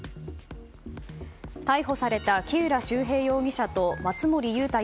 逮捕された木浦修平容疑者と松森裕太